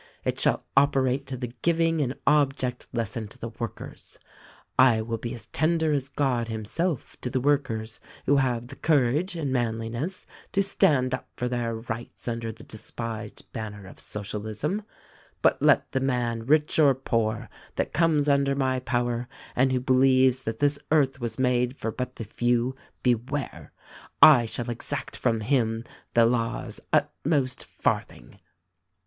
It shall operate to the giving an object lesson to the workers. I will be as tender as God himself to the workers who have the courage and manli ness to stand up for their rights under the despised banner of Socialism ; but let the man, rich or poor, that comes under my power and who believes that this earth was made for but the few, beware: I shall exact from him the law's utmost farthing."